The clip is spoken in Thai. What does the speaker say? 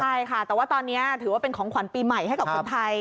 ใช่ค่ะแต่ว่าตอนนี้ถือว่าเป็นของขวัญปีใหม่ให้กับคนไทย